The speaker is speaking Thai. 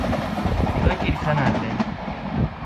ธุรกิจขนาดเล็ก